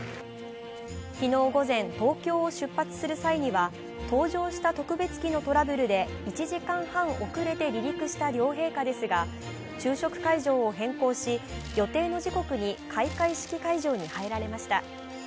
昨日午前、東京を出発する際には搭乗した特別機のトラブルで１時間半遅れて離陸した両陛下ですが、昼食会場を変更し予定の時刻に開会式会場に入られました。